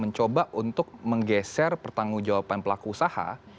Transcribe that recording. mencoba untuk menggeser pertanggung jawaban pelaku usaha